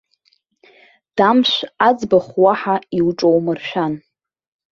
Дамшә аӡбахә уаҳа иуҿоумыршәан.